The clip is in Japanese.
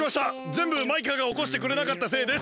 ぜんぶマイカがおこしてくれなかったせいです！